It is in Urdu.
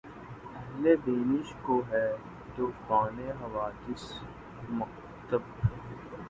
اہلِ بینش کو‘ ہے طوفانِ حوادث‘ مکتب